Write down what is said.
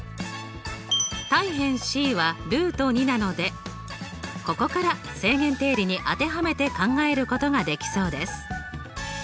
対辺ｃはルート２なのでここから正弦定理に当てはめて考えることができそうです。